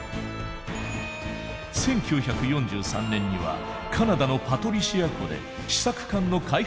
１９４３年にはカナダのパトリシア湖で試作艦の開発実験が行われた。